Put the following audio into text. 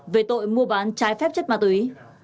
về tội mua bán trái phép chất ma túy